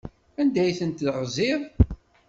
Anda ay tent-teɣziḍ?